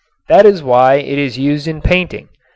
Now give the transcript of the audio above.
That is why it is used in painting.